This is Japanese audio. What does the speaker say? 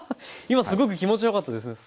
今すごく気持ちよかったですね。